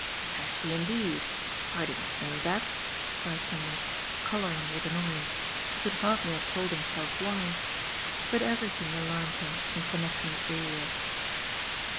" Has she indeed ? I did not know that !" cried Hen drik, colouring with annoyance, he could hardly have told himself why. But everything alarmed him in connection with Elias.